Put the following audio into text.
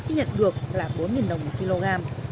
khi nhận được là bốn đồng một kg